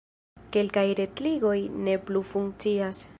Kelkaj retligoj ne plu funkcias.